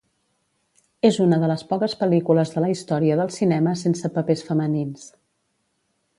És una de les poques pel·lícules de la història del cinema sense papers femenins.